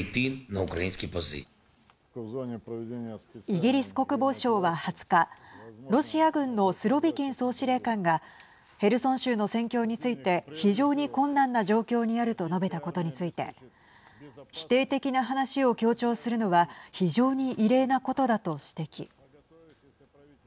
イギリス国防省は２０日ロシア軍のスロビキン総司令官がヘルソン州の戦況について非常に困難な状況にあると述べたことについて否定的な話を強調するのは非常に異例なことだと指摘。